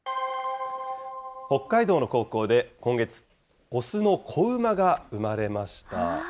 北海道の高校で、今月、雄の子馬が生まれました。